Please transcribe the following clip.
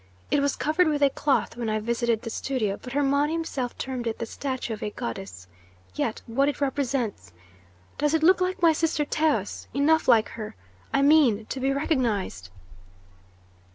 It was covered with a cloth when I visited the studio, but Hermon himself termed it the statue of a goddess. Yet what it represents Does it look like my sister Taus enough like her, I mean, to be recognised?"